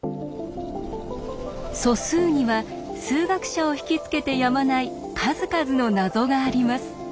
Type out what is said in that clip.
素数には数学者を引き付けてやまない数々の謎があります。